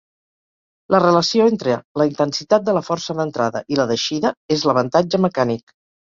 La relació entre la intensitat de la força d'entrada i la d'eixida és l'avantatge mecànic.